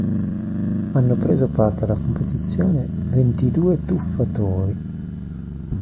Hanno preso parte alla competizione ventidue tuffatori.